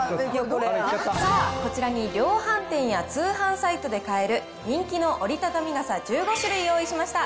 さあ、こちらに量販店や通販サイトで買える人気の折りたたみ傘１５種類用意しました。